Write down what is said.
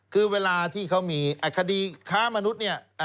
คือเวลาที่เขามีคดีค้ามนุษย์เนี่ย